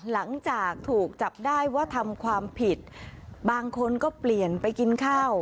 หลังจากถูกจับได้ว่าทำความผิดบางคนก็เปลี่ยนไปกินข้าว